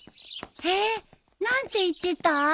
へぇ何て言ってた？